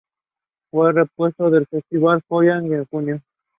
Ellis was long interested in the life and career of Ben Chifley.